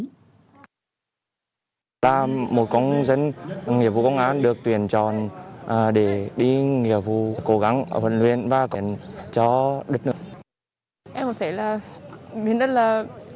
công tác bố trí sắp xếp lượng cũng như các phương án để đảm bảo an ninh trực tự trực tự an toàn giao thông